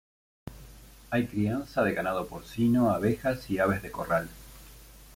Hay crianza de ganado porcino, abejas y aves de corral.